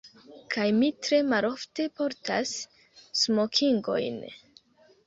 Kaj mi tre malofte portas smokingojn.